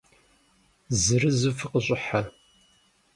Зырызу фыкъыщӏыхьэ.